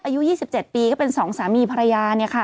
อายุ๒๗ปีก็เป็นสองสามีภรรยา